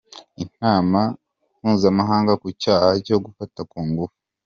Inama mpuzamahanga ku cyaha cyo gufata ku ngufu